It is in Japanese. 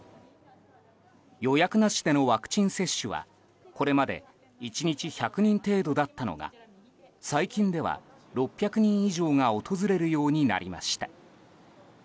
予約なしでのワクチン接種はこれまで１日１００人程度だったのが最近では６００人以上が訪れるようになりました。